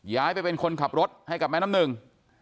ย้ายไปเป็นคนขับรถให้กับแม่น้ำหนึ่ง